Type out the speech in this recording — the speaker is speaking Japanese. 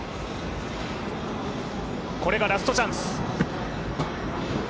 これがラストチャンス。